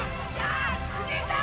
藤井さん！